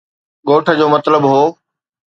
ڳوٺ جو مطلب هو